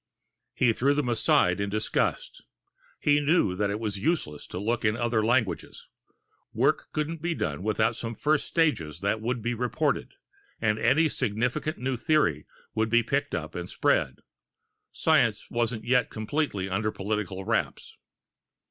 He threw them aside in disgust. He knew that it was useless to look in other languages. Work couldn't be done without some first stages that would be reported, and any significant new theory would be picked up and spread. Science wasn't yet completely under political wraps.